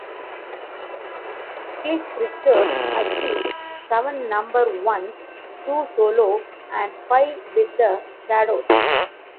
Cliff Richard achieved seven number ones; two solo and five with the Shadows.